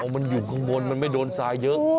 มันอยู่ข้างบนมันไม่โดนทรายเยอะ